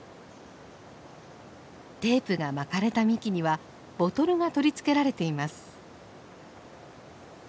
テープが巻かれた幹にはボトルが取り付けられています。